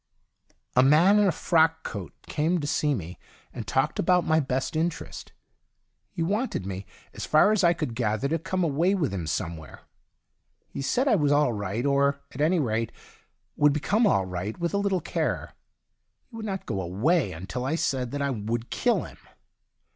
— A man in a frock coat 20 THE DIARY OF A GOD came to see me, and talked about my best interest. He wanted me, so far as I could gather, to come away with him somewhere. He said I was all right, or, at any rate, would become all right, with a little care. He Avould not go away until I said that I would kill him.